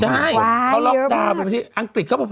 ใช่เขาล็อกดาวน์ไปที่อังกฤษเขาบอก